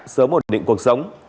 sớm ổn định cuộc sống